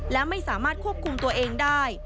และไม่สามารถควบคุมตัวเองได้